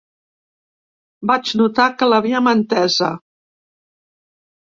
Vaig notar que l’havíem entesa.